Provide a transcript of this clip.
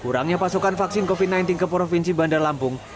kurangnya pasokan vaksin covid sembilan belas ke provinsi bandar lampung